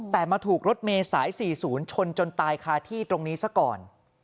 แต่มาถูกรถเมย์สาย๔๐ชนจนตายคาที่ตรงนี้ซะก่อน